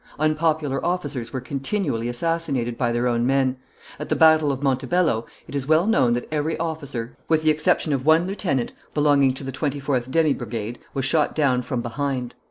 Unpopular officers were continually assassinated by their own men; at the battle of Montebello it is well known that every officer, with the exception of one lieutenant belonging to the 24th demi brigade, was shot down from behind.